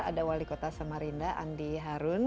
ada wali kota samarinda andi harun